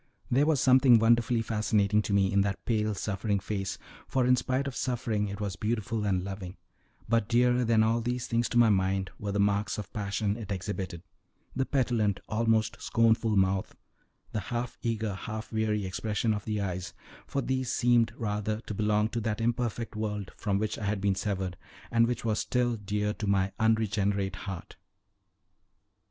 There was something wonderfully fascinating to me in that pale, suffering face, for, in spite of suffering, it was beautiful and loving; but dearer than all these things to my mind were the marks of passion it exhibited, the petulant, almost scornful mouth, and the half eager, half weary expression of the eyes, for these seemed rather to belong to that imperfect world from which I had been severed, and which was still dear to my unregenerate heart.